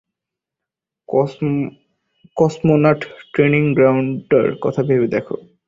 Cosmonaut training গ্রাউন্ডটার কথা ভেবে দেখো।